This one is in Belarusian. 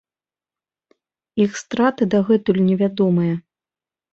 Іх страты дагэтуль невядомыя.